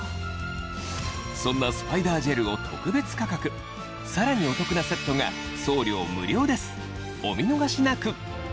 そんなスパイダージェルを特別価格さらにお得なお見逃しなく！